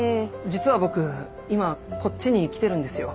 実は僕今こっちに来てるんですよ。